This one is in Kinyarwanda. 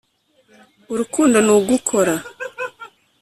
urukundo nugukora.